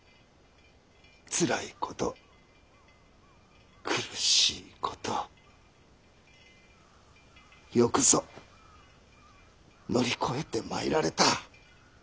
つらいこと苦しいことよくぞ乗り越えてまいられた。